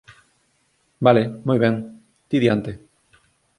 Vale, moi ben. Ti diante.